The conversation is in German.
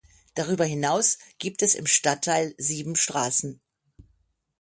Darüber hinaus gibt es im Stadtteil sieben Straßen.